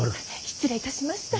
失礼いたしました。